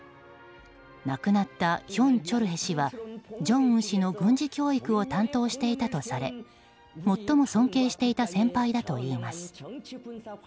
亡くなったヒョン・チョルヘ氏は正恩氏の軍事教育を担当していたとされ最も尊敬していた先輩だといいます。